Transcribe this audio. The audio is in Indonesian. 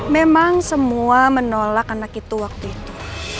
memang semua menolak anak itu waktu itu